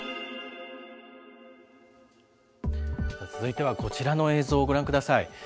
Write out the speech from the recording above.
続いてはこちらの映像、ご覧ください。